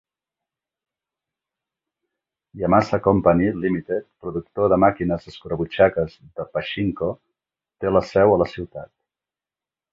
Yamasa Company, Limited, productor de màquines escurabutxaques de pachinko, té la seu a la ciutat.